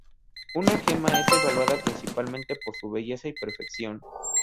Una gema es evaluada principalmente por su belleza y perfección.